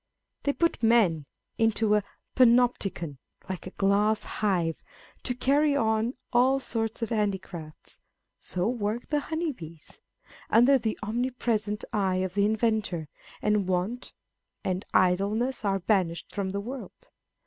They put men into a Panopticon, like a glass hive, to carry on all sorts of handicrafts (" So work the honey bees" â€" ) under the omnipresent eye of the inventor, and want and idleness are banished from the world.